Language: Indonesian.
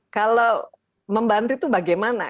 kalau membantu itu bagaimana